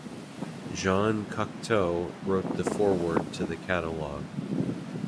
Jean Cocteau wrote the foreword to the catalog.